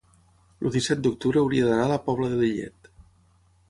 el disset d'octubre hauria d'anar a la Pobla de Lillet.